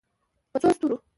په څو ستورو